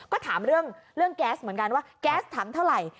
ก็ถามเรื่องแก๊สเหมือนกันว่าแก๊สถามเท่าไหร่